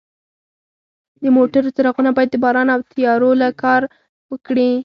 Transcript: د موټرو څراغونه باید د باران او تیارو کې کار وکړي.